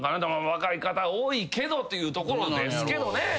若い方多いけどっていうところなんすけどね。